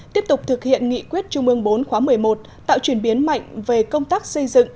tiếp tục thực hiện nghị quyết trung ương bốn khóa một mươi một tạo chuyển biến mạnh về công tác xây dựng